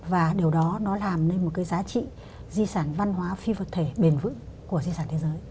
và điều đó nó làm nên một cái giá trị di sản văn hóa phi vật thể bền vững của di sản thế giới